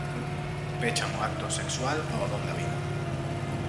Pechan o acto sexual ao don da vida.